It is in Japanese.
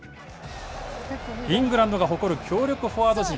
イングランドが誇る、強力フォワード陣。